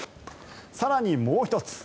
更にもう１つ。